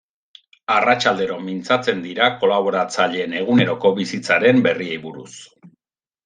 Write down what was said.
Arratsaldero mintzatzen dira kolaboratzaileen eguneroko bizitzaren berriei buruz.